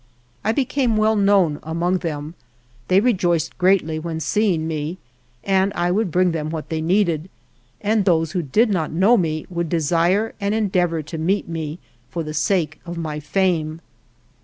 I became well known among them; they rejoiced greatly when seeing me and I would bring them what they need ed, and those who did not know me would desire and endeavor to meet me for the sake of my fame.